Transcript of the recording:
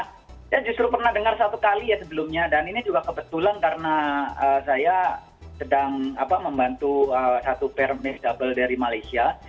saya justru pernah dengar satu kali ya sebelumnya dan ini juga kebetulan karena saya sedang membantu satu permen double dari malaysia